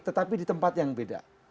tetapi di tempat yang beda